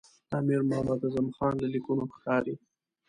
د امیر محمد اعظم خان له لیکونو ښکاري.